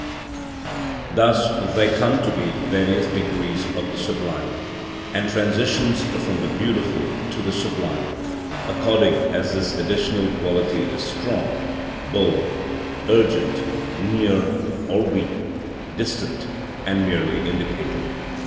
Thus there come to be various degrees of the sublime, and transitions from the beautiful to the sublime, according as this additional quality is strong, bold, urgent, near, or weak, distant, and merely indicated.